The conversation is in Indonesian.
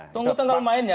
tunggu tanggal mainnya